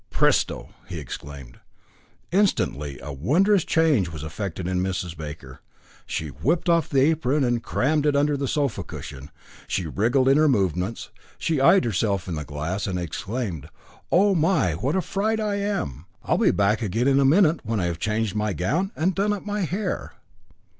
"Presto!" he exclaimed. Instantly a wondrous change was effected in Mrs. Baker. She whipped off the apron, and crammed it under the sofa cushion. She wriggled in her movements, she eyed herself in the glass, and exclaimed: "Oh, my! what a fright I am. I'll be back again in a minute when I have changed my gown and done up my hair."